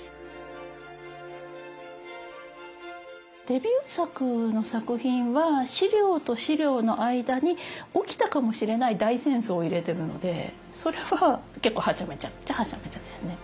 デビュー作の作品は資料と資料の間に起きたかもしれない大戦争を入れてるのでそれは結構はちゃめちゃっちゃはちゃめちゃですね。